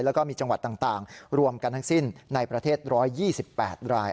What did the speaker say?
แล้วก็มีจังหวัดต่างรวมกันทั้งสิ้นในประเทศ๑๒๘ราย